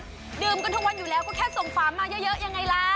ก็ดื่มกันทุกวันอยู่แล้วก็แค่ส่งฝามาเยอะยังไงล่ะ